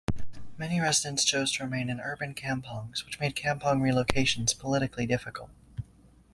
Many residents chose to remain in urban kampongs, which made kampong relocations politically difficult.